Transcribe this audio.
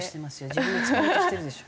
自分で使おうとしてるでしょ？